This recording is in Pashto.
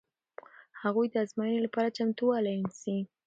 هغوی د ازموینې لپاره چمتووالی نیسي.